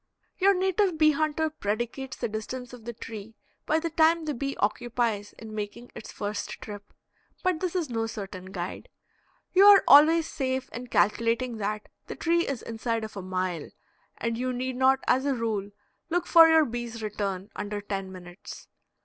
Your native bee hunter predicates the distance of the tree by the time the bee occupies in making its first trip. But this is no certain guide. You are always safe in calculating that the tree is inside of a mile, and you need not as a rule look for your bee's return under ten minutes.